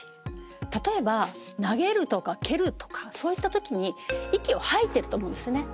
例えば投げるとか蹴るとかそういったときに息を吐いてると思うんですね。